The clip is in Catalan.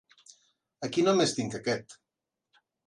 Aquí només tinc aquest.